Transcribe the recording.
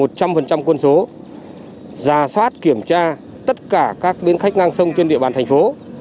trong quân số giả soát kiểm tra tất cả các bến khách ngang sông trên địa bàn thành phố